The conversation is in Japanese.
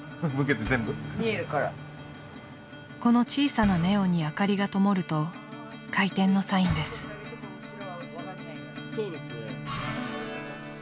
［この小さなネオンに明かりがともると開店のサインです］